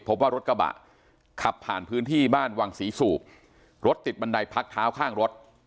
พบว่ารถกระบะขับผ่านพื้นที่บ้านวังศรีสูบรถติดบันไดพักเท้าข้างรถ